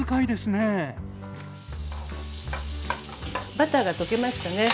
バターが溶けましたね。